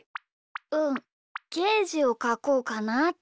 うんゲージをかこうかなって。